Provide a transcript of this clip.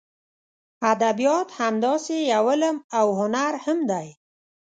ادبیات همداسې یو علم او هنر هم دی.